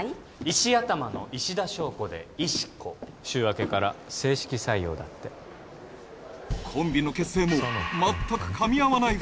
石頭の石田硝子で石子週明けから正式採用だってコンビの結成も全く噛み合わない